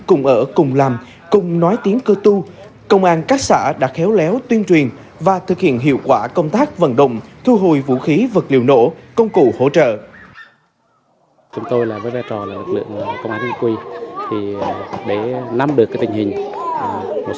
cùng ở cùng làm cùng nói tiếng cơ tu công an các xã đã khéo léo tuyên truyền và thực hiện hiệu quả công tác vận động thu hồi vũ khí vật liệu nổ công cụ hỗ trợ